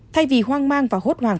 thay vì hoang mang và hốt hoàng